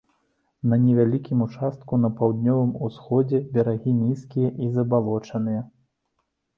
На невялікім участку на паўднёвым усходзе берагі нізкія і забалочаныя.